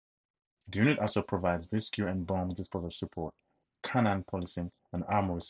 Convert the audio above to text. The unit also provides rescue and bomb disposal support, canine policing, and armoury services.